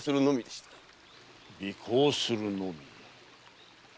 尾行するのみ。